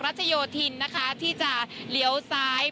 รัชโยธินนะคะที่จะเลี้ยวซ้าย